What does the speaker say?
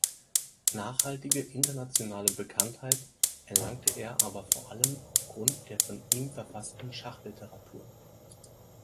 Nachhaltige internationale Bekanntheit erlangte er aber vor allem aufgrund der von ihm verfassten Schachliteratur.